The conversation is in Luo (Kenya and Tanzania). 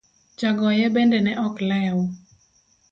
Jagoye bende ne ok lew.